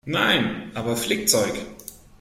Nein, aber Flickzeug.